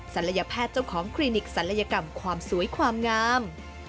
ศัลยแพทย์เจ้าของคลินิกศัลยกรรมความสวยความงาม